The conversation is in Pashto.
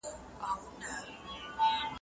فکري کتابونه بايد د ځوانانو په واک کي ورکړل سي.